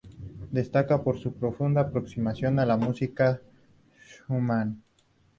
Destaca por su profunda aproximación a la música de Schumann.